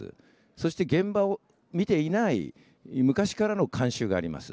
そして現場を見ていない昔からの慣習があります。